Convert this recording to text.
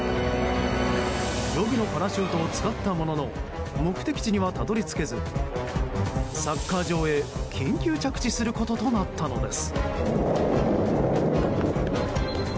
予備のパラシュートを使ったものの目的地にはたどり着けずサッカー場へ緊急着地することとなったのです。